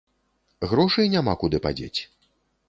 Грошы няма куды падзець?